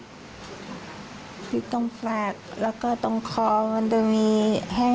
คือตรงปากแล้วก็ตรงคอมันจะมีแห้ง